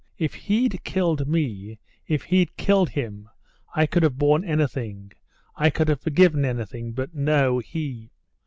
If he'd killed me, if he'd killed him, I could have borne anything, I could have forgiven anything; but, no, he....